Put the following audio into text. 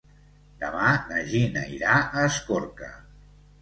Demà na Gina irà a Escorca.